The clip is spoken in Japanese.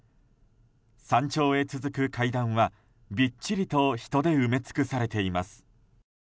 山頂へ続く階段は、びっちりと人で埋め尽くされています。